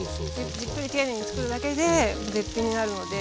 じっくり丁寧につくるだけで絶品になるので。